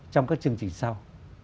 trong các chương trình sau